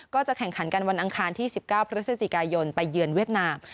ก็จะแข่งขันกันวันอังคารที่๑๙พฤศจิกายนไปเยือนเวียดนาม